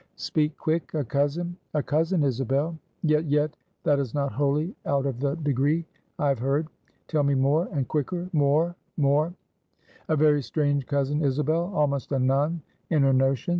"Speak quick! a cousin?" "A cousin, Isabel." "Yet, yet, that is not wholly out of the degree, I have heard. Tell me more, and quicker! more! more!" "A very strange cousin, Isabel; almost a nun in her notions.